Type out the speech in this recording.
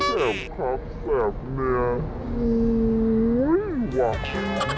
แซ่บครับแซ่บเนี่ยอุ๊ยว่ะ